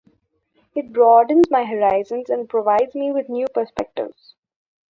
It broadens my horizons and provides me with new perspectives.